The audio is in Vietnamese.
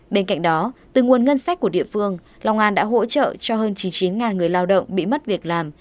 bên cạnh đó từ nguồn ngân sách của địa phương long an đã hỗ trợ cho hơn chín mươi chín người lao động bị mất việc làm